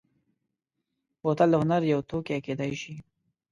بوتل د هنر یو توکی کېدای شي.